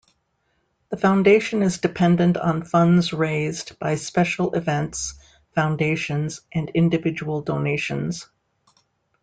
The Foundation is dependent on funds raised by special events, foundations, and individual donations.